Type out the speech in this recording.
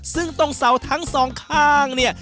ซึ่งตรงเสาทั้งสองข้างเนี่ย